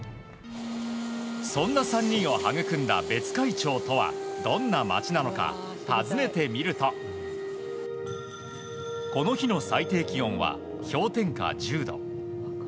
そんな３人を育んだ別海町とはどんな町なのか訪ねてみるとこの日の最低気温は氷点下１０度。